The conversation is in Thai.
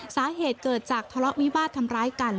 สาเหตุเกิดจากทะเลาะวิวาสทำร้ายกัน